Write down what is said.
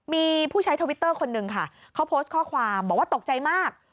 มีผู้ใช้ทวิตเตอร์คนหนึ่งค่ะเขาโพสต์ข้อความบอกว่าตกใจมาก